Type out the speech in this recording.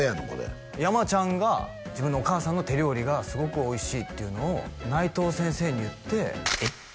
これ山ちゃんが自分のお母さんの手料理がすごくおいしいっていうのを内藤先生に言ってえっ？